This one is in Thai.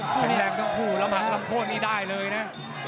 แข็งแรงทั้งคู่แล้วหักคำโค้นนี่ได้เลยนะ